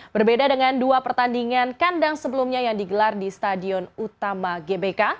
berbeda dengan dua pertandingan kandang sebelumnya yang digelar di stadion utama gbk